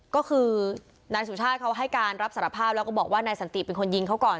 ก็คือนายสุชาติเขาให้การรับสารภาพแล้วก็บอกว่านายสันติเป็นคนยิงเขาก่อน